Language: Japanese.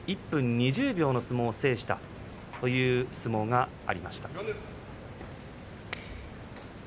１分２０秒の相撲を制したということがありました。